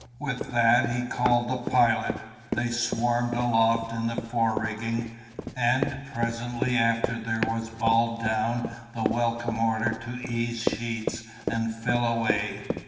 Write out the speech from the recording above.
With that he called the pilot; they swarmed aloft in the fore rigging, and presently after there was bawled down the welcome order to ease sheets and fill away.